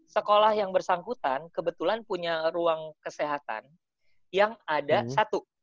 sekolah yang bersangkutan kebetulan punya ruang kesehatan yang ada satu